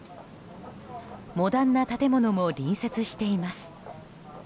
モダンな建物も隣接しています。